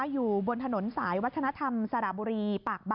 อยู่บนถนนสายวัฒนธรรมสระบุรีปากบ